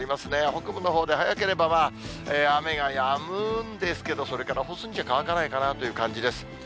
北部のほうで早ければ雨がやむんですけど、それから干すんじゃ乾かないかなという感じです。